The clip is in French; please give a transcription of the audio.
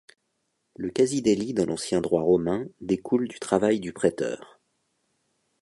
Le quasi-délit dans l’ancien droit romain découle du travail du préteur.